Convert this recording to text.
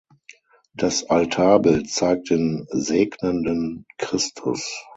Das Altarbild zeigt den „Segnenden Christus“.